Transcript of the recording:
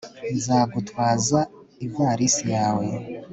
nzagutwaza ivalisi yawe